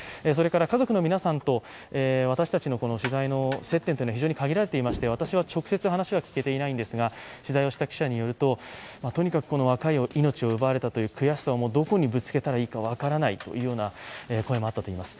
家族の皆さんと私たちの取材の接点は非常に限られていまして、私は直接話は聞けていないんですが取材をした記者によると若い命を奪われたという悔しさをどこにぶつけたらいいか分からないという声もあったといいます。